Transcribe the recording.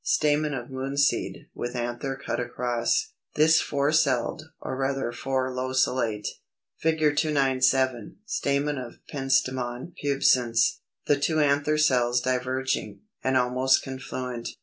Stamen of Moonseed, with anther cut across; this 4 celled, or rather 4 locellate.] [Illustration: Fig. 297. Stamen of Pentstemon pubescens; the two anther cells diverging, and almost confluent.